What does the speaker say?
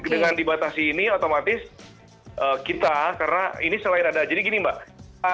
dengan dibatasi ini otomatis kita karena ini selain ada jadi gini mbak